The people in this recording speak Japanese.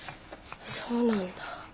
そうなんだ